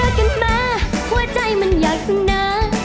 เริ่มรักกันมาหัวใจมันยากนะ